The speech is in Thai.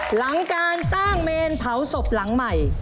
หลังการสร้างเมนเผาศพหลังใหม่